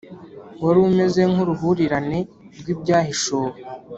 wari umeze nk’uruhurirane rw’ibyahishuwe